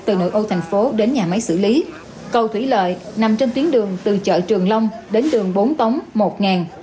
từ nội âu thành phố đến nhà máy xử lý cầu thủy lợi nằm trên tuyến đường từ chợ trường long đến đường bốn tống một